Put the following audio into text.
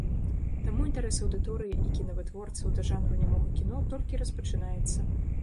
Таму інтарэс аўдыторыі і кінавытворцаў да жанру нямога кіно толькі распачынаецца.